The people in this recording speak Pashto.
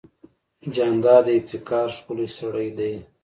جانداد د ابتکار ښکلی سړی دی.